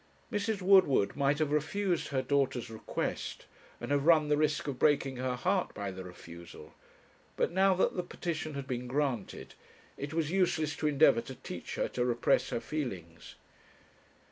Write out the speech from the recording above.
Mrs. Woodward might have refused her daughter's request, and have run the risk of breaking her heart by the refusal; but now that the petition had been granted, it was useless to endeavour to teach her to repress her feelings.